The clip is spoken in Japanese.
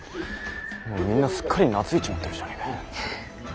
みんなすっかり懐いちまってるじゃねぇか。